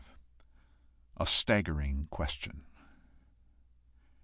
A STAGGERING QUESTION.